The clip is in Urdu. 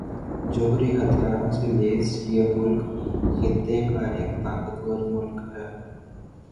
جوہری ہتھیاروں سے لیس یہ ملک خطے کا ایک طاقتور ملک ہے